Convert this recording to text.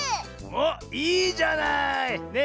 おっいいじゃない！ね。